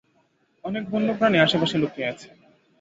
অনেক বন্য প্রাণী আশেপাশে লুকিয়ে আছে।